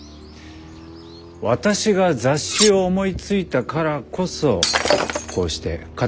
私が雑誌を思いついたからこそこうして形になったわけだ。